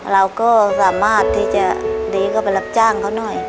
เราก็สามารถที่จะดีเข้าไปรับจ้างเขาหน่อย